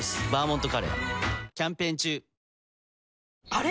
あれ？